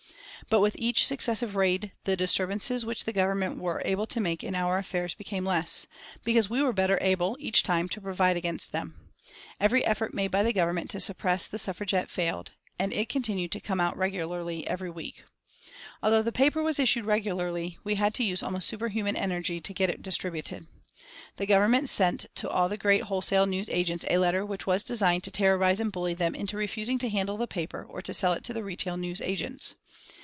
But with each successive raid the disturbances which the Government were able to make in our affairs became less, because we were better able, each time, to provide against them. Every effort made by the Government to suppress the Suffragette failed, and it continued to come out regularly every week. Although the paper was issued regularly, we had to use almost super human energy to get it distributed. The Government sent to all the great wholesale news agents a letter which was designed to terrorise and bully them into refusing to handle the paper or to sell it to the retail news agents.